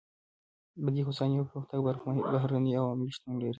د دې هوساینې او پرمختګ بهرني عوامل شتون لري.